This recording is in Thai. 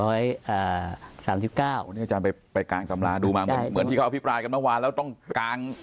วันนี้อาจารย์ไปกางตำราดูมาเหมือนที่เขาอภิปรายกันเมื่อวานแล้วต้องกาง